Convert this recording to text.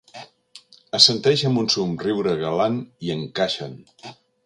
Assenteix amb un somriure galant i encaixen.